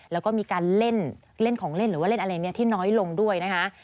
แล้วก็มีการเล่นของเล่นหรือว่าเล่นอะไรที่น้อยลงด้วยนะคะ